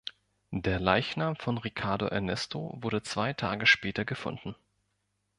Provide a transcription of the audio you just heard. Der Leichnam von Ricardo Ernesto wurde zwei Tage später gefunden.